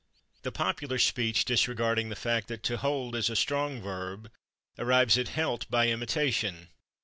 The popular speech, disregarding the fact that /to hold/ is a strong verb, arrives at /helt/ by imitation.